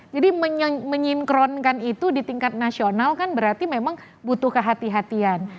jadi menyinkronkan itu di tingkat nasional kan berarti memang butuh kehati hatian